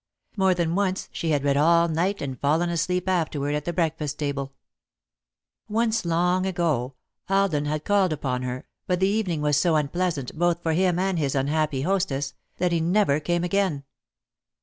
More than once she had read all night and fallen asleep afterward at the breakfast table. [Sidenote: Occasional Meetings] Once, long ago, Alden had called upon her, but the evening was made so unpleasant, both for him and his unhappy hostess, that he never came again.